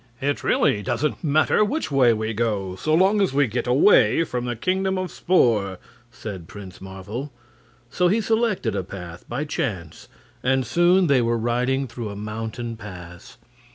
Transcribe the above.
"It really doesn't matter which way we go, so long as we get away from the Kingdom of Spor," said Prince Marvel; so he selected a path by chance, and soon they were riding through a mountain pass.